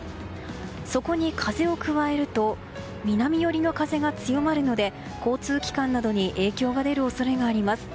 そこに風を加えると南寄りの風が強まるので交通機関などに影響が出る恐れがあります。